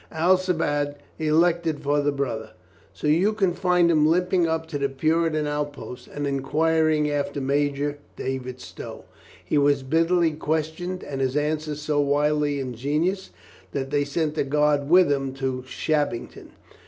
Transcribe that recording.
Alcibiade elected for the brother. So you find him limping up to the Puritan out posts and enquiring after Major David Stow. He was bitterly questioned and his answers so wildly ingenious that they sent a guard with him to Shab bington.